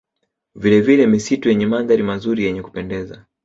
Vilevile misitu yenye mandhari mazuri yenye kupendeza